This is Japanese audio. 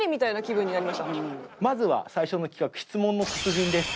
まずは最初の企画質問の達人です。